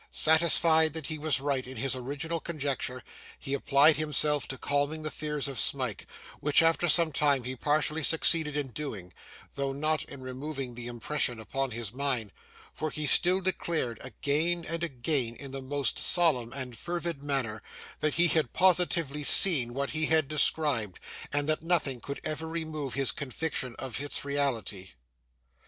Satisfied that he was right in his original conjecture, he applied himself to calming the fears of Smike, which, after some time, he partially succeeded in doing, though not in removing the impression upon his mind; for he still declared, again and again, in the most solemn and fervid manner, that he had positively seen what he had described, and that nothing could ever remove his conviction of its reality.